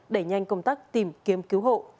đẩy nhanh công tác tìm kiếm cứu hộ